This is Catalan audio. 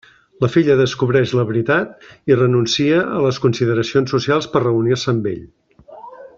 La filla descobreix la veritat i renuncia a les consideracions socials per reunir-se amb ell.